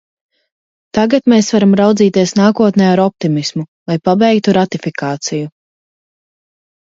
Tagad mēs varam raudzīties nākotnē ar optimismu, lai pabeigtu ratifikāciju.